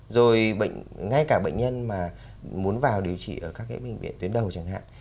rồi ngay cả bệnh nhân mà muốn vào điều trị ở các cái bệnh viện tuyến đầu chẳng hạn